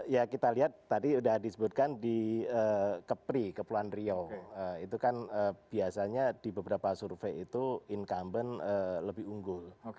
ya kita lihat tadi sudah disebutkan di kepri kepulauan riau itu kan biasanya di beberapa survei itu incumbent lebih unggul